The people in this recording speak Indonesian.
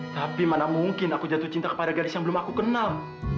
tapi mana mungkin aku jatuh cinta kepada gadis yang belum aku kenal